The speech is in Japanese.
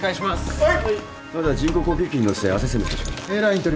はい。